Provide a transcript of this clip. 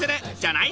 ない